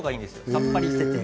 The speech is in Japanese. さっぱりしてて。